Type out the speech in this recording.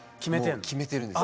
もう決めてるんです。